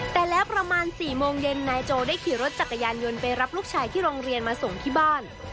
แต่แล้วประมาณ๔โมงเย็นนายโจได้ขี่รถจักรยานยนต์ไปรับลูกชายที่โรงเรียนมาส่งที่บ้าน